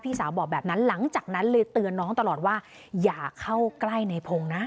สาวบอกแบบนั้นหลังจากนั้นเลยเตือนน้องตลอดว่าอย่าเข้าใกล้ในพงศ์นะ